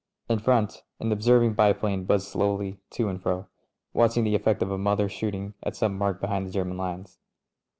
In front, an observing biplane buzzed slowly to and fro, watching the effect of a mother ^ shooting at some mark behind the German lines.